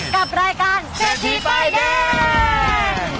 กับรายการเทียดหือไปแดง